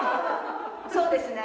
そうですね。